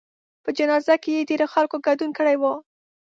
په جنازه کې یې ډېرو خلکو ګډون کړی و.